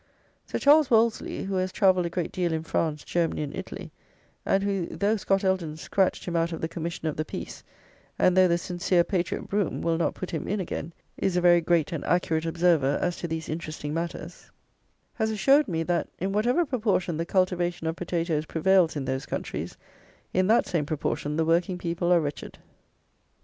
Sir Charles Wolseley, who has travelled a great deal in France, Germany and Italy, and who, though Scott Eldon scratched him out of the commission of the peace, and though the sincere patriot Brougham will not put him in again, is a very great and accurate observer as to these interesting matters, has assured me that, in whatever proportion the cultivation of potatoes prevails in those countries, in that same proportion the working people are wretched.